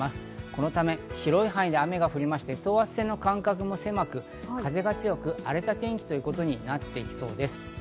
このため、広い範囲で雨が降って等圧線の間隔も狭く、風が強く、荒れた天気ということになっていきそうです。